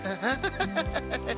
ハハハハ！